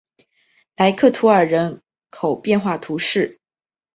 莱克图尔人口变化图示